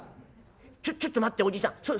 ちょちょっと待っておじさん。